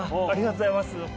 ありがとうございます。